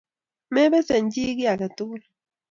Mebesen chi kiy aje tugul.